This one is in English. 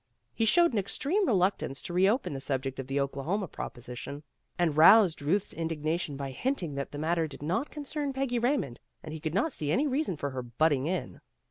He showed an extreme reluctance to re open the subject of the Okla homa proposition, and roused Euth's indigna tion by hinting that the matter did not concern Peggy Eaymond, and he could not see any rea son for her "butting in."